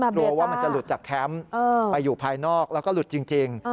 กลัวว่ามันจะหลุดจากแคมป์ไปอยู่ภายนอกแล้วก็หลุดจริง